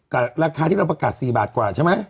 ราคาที่เราประกาศ๔บาทกว่าใช่ไหม